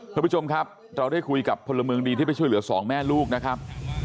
คุณผู้ชมครับเราได้คุยกับพลเมืองดีที่ไปช่วยเหลือสองแม่ลูกนะครับ